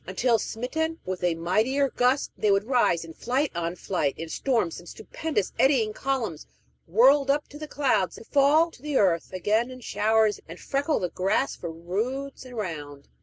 until, smitten with a mightier gust, they would rise in flight on flight, in storms and stupendous, eddying columns, whirled up to the clouds, to fall to the earth again in showers, and freckle the grass for roods around.